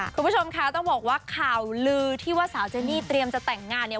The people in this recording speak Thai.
คุณผู้ชมคะต้องบอกว่าข่าวลือที่ว่าสาวเจนี่เตรียมจะแต่งงานเนี่ย